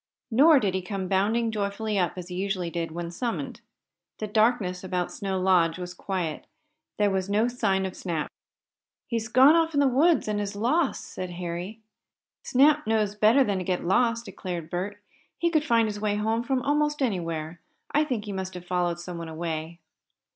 Nor did he come bounding joyfully up, as he usually did when summoned. The darkness about Snow Lodge was quiet. There was no sign of Snap. "He's gone off in the woods and is lost," said Harry. "Snap knows better than to get lost," declared Bert. "He could find his way home from almost anywhere. I think he must have followed someone away."